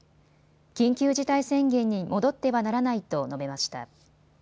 緊急事態宣言に戻ってはならないと述べました。